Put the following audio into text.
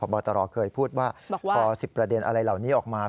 บอตรเคยพูดว่าพอ๑๐ประเด็นอะไรเหล่านี้ออกมา